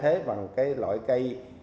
học viên đã cho biết